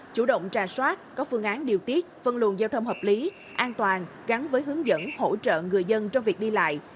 chủ động trà soát có phương án điều tiết phân luận giao thông hợp lý an toàn gắn với hướng dẫn hỗ trợ người dân trong việc đi lại